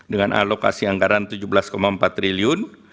dengan alokasi anggaran rp tujuh belas empat triliun